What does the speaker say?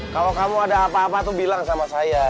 kalau kamu ada apa apa tuh bilang sama saya